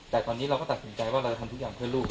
แต่ตอนนี้เราก็ตัดสินใจว่าเราจะทำทุกอย่างเพื่อลูก